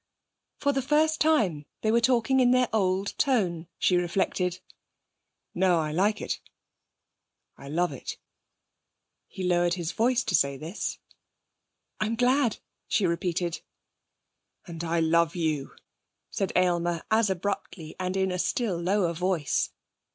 For the first time they were talking in their old tone, she reflected. 'No, I like it I love it.' He lowered his voice to say this. 'I'm glad,' she repeated. 'And I love you,' said Aylmer as abruptly, and in a still lower voice.